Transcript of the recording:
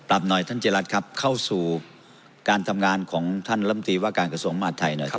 หน่อยท่านเจรัตน์ครับเข้าสู่การทำงานของท่านลำตีว่าการกระทรวงมหาดไทยหน่อยครับ